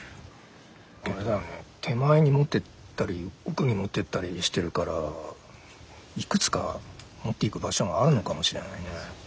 手前に持ってったり奥に持ってったりしてるからいくつか持っていく場所があるのかもしれないね。